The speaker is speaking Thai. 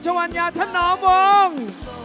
ชะวัญญาท่านหนอมวง